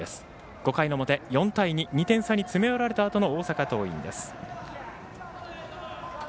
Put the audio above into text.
５回の表、４対２２点差に詰め寄られたあとの大阪桐蔭です。